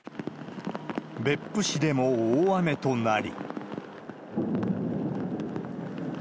別府市でも大雨となり。